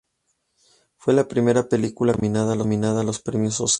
Fue la primera película cubana nominada a los premios Óscar.